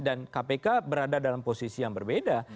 dan kpk berada dalam posisi yang berbeda